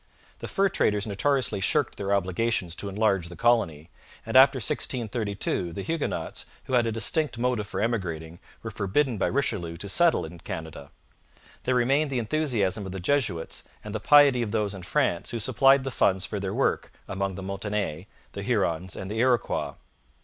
The fur traders notoriously shirked their obligations to enlarge the colony, and after 1632 the Huguenots, who had a distinct motive for emigrating, were forbidden by Richelieu to settle in Canada. There remained the enthusiasm of the Jesuits and the piety of those in France who supplied the funds for their work among the Montagnais, the Hurons, and the Iroquois.